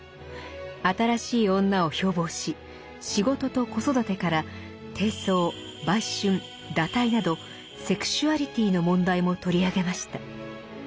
「新しい女」を標榜し仕事と子育てから貞操売春堕胎などセクシュアリティの問題も取り上げました。